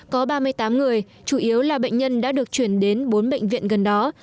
có ba mươi tám người chủ yếu là bệnh nhân đã được chuyển đến bốn bệnh viện gần đó